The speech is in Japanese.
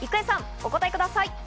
お答えください。